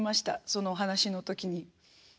そのお話の時に。